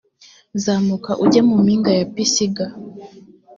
zamuka ujye mu mpinga ya pisiga